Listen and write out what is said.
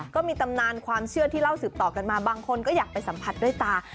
ก็มีตำนานความเชื่อที่เล่าสืบต่อกันมาบางคนก็อยากไปสัมผัสด้วยตา